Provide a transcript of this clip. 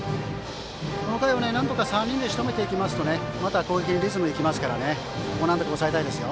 この回をなんとか３人でしとめていきますとまた攻撃にリズムができるのでなんとか抑えたいですよ。